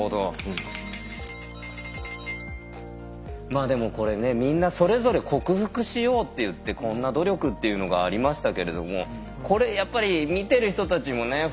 まあでもこれねみんなそれぞれ克服しようっていってこんな努力っていうのがありましたけれどもこれやっぱり見てる人たちもね